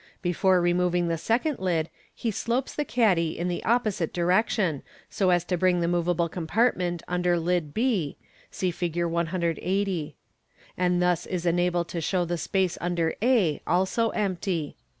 Before re moving the second lid, he slopes the caddy in the opposite direction, so as to bring the moveable compartment under lid b (see Fig. i8o): and thus is enabled to show the space under a also empty.